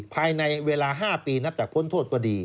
ภายในเวลา๕ปีนับจากพ้นโทษก็ดี